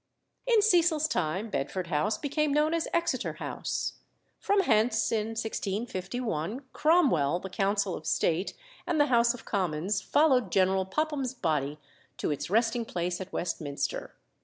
In Cecil's time Bedford House became known as Exeter House. From hence, in 1651, Cromwell, the Council of State, and the House of Commons followed General Popham's body to its resting place at Westminster.